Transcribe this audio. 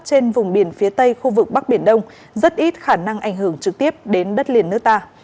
trên vùng biển phía tây khu vực bắc biển đông rất ít khả năng ảnh hưởng trực tiếp đến đất liền nước ta